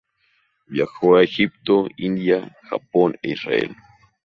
Viajó a Egipto, India, Japón e Israel.